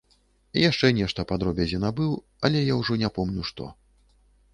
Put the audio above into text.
Яшчэ нешта па дробязі набыў, але я ўжо не помню што.